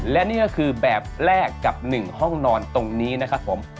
และนี่ก็คือแบบแรกกับ๑ห้องนอนตรงนี้นะครับผม